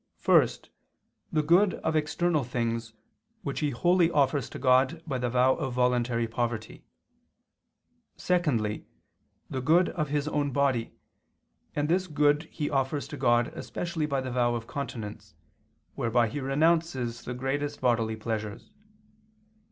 First, the good of external things, which he wholly offers to God by the vow of voluntary poverty: secondly, the good of his own body, and this good he offers to God especially by the vow of continence, whereby he renounces the greatest bodily pleasures.